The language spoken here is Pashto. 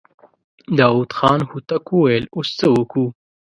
داوود خان هوتک وويل: اوس څه وکو؟